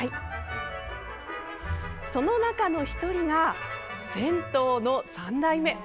その中の１人が、銭湯の３代目。